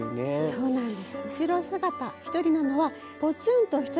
そうなんです。